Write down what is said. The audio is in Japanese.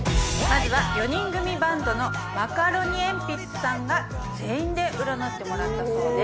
まずは４人組バンドのマカロニえんぴつさんが全員で占ってもらったそうです。